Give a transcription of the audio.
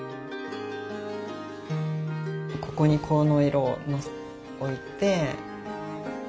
ここにこの色を置いて。